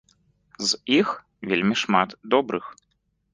З іх вельмі шмат добрых.